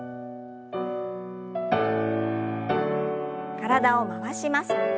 体を回します。